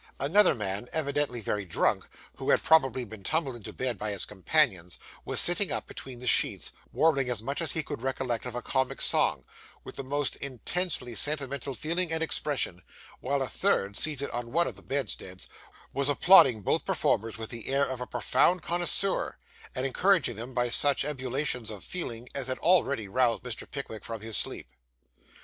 Another man, evidently very drunk, who had probably been tumbled into bed by his companions, was sitting up between the sheets, warbling as much as he could recollect of a comic song, with the most intensely sentimental feeling and expression; while a third, seated on one of the bedsteads, was applauding both performers with the air of a profound connoisseur, and encouraging them by such ebullitions of feeling as had already roused Mr. Pickwick from his sleep.